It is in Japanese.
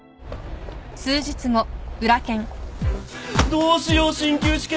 どうしよう進級試験！